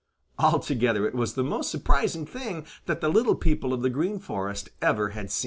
Altogether it was the most surprising thing that the little people of the Green Forest ever had seen.